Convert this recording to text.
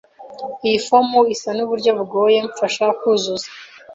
Iyi fomu isa nuburyo bugoye. Mfasha kuzuza.